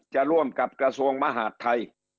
จะร่วมกับกระทรวงมหาดไทย